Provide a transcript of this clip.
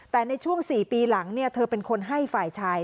แต่ในช่วง๔ปีหลังเธอเป็นคนให้ฝ่ายชาย